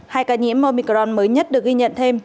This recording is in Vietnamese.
hai ca nhiễm mormicron mới nhất được ghi nhận thêm